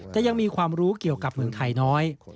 แต่ยังมีความรู้เกี่ยวกับเมืองไทยน้อย